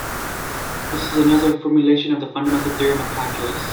This is another formulation of the fundamental theorem of calculus.